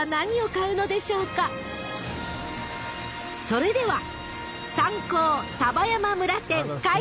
［それでは］